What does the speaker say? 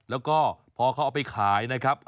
แล้วก็พอเขาเอาไปขายนะครับ